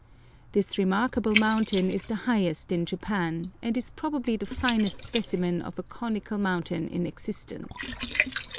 This remarkable mountain is the highest in Japan, and is probably the finest specimen of a conical mountain in existence.